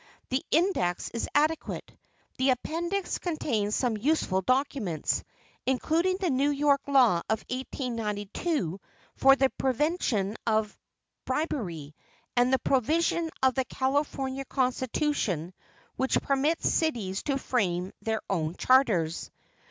The index is adequate. The appendix contains some useful documents, including the New York law of 1892 for the prevention of bribery, and the provision of the California Constitution which permits cities to frame their own charters.